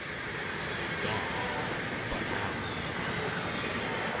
GONE! BUT HOW?